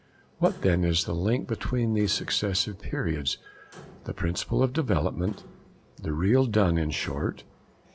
What then is the link between these successive periods, the principle of development, the real Donne in short?